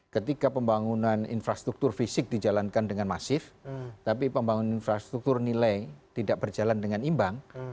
ketika pembangunan infrastruktur fisik dijalankan dengan masif tapi pembangunan infrastruktur nilai tidak berjalan dengan imbang